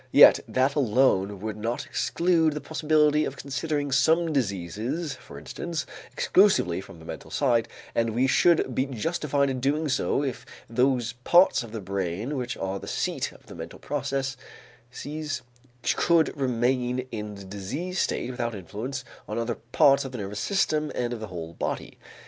Yet that alone would not exclude the possibility of considering some diseases, for instance, exclusively from the mental side, and we should be justified in doing so if those parts of the brain which are the seat of the mental processes could remain in the diseased state without influence on other parts of the nervous system and of the whole body.